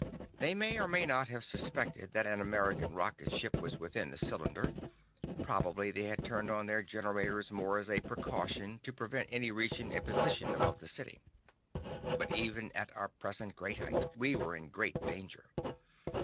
They may or may not have suspected that an American rocket ship was within the cylinder; probably they had turned on their generators more as a precaution to prevent any reaching a position above the city. But even at our present great height, we were in great danger.